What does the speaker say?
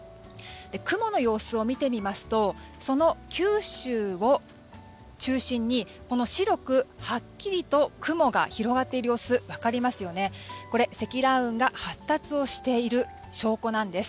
雲の様子を見てみますとその九州を中心に白くはっきりと雲が広がっている様子が分かりますよねｒこれ、積乱雲が発達をしている証拠なんです。